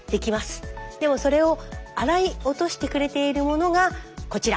でもそれを洗い落としてくれているものがこちら。